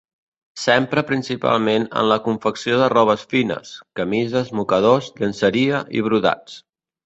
S'empra principalment en la confecció de robes fines: camises, mocadors, llenceria i brodats.